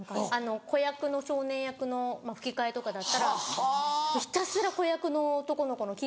子役の少年役の吹き替えとかだったらひたすら子役の男の子のを聞いたり